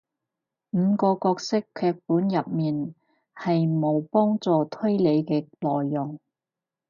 五個角色劇本入面係無幫助推理嘅內容